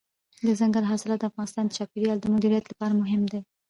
دځنګل حاصلات د افغانستان د چاپیریال د مدیریت لپاره مهم دي.